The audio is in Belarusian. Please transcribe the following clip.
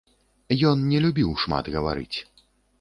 Ён не любіў шмат гаварыць.